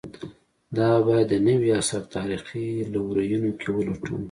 دا باید د نوي عصر تاریخي لورینو کې ولټوو.